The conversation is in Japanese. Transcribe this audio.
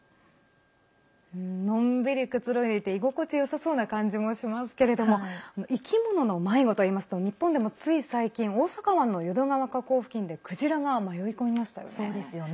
のんびりくつろいでいて居心地よさそうな感じもしますけれども生き物の迷子といいますと日本でも、つい最近大阪湾の淀川河口付近でクジラが迷い込みましたよね。